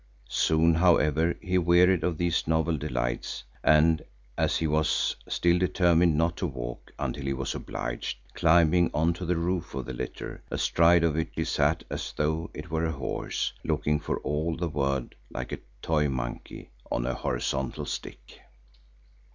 Soon, however, he wearied of these novel delights and as he was still determined not to walk until he was obliged, climbed on to the roof of the litter, astride of which he sat as though it were a horse, looking for all the world like a toy monkey on a horizontal stick.